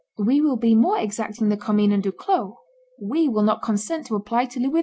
We will be more exacting than Commynes and Duclos; we will not consent to apply to Louis XI.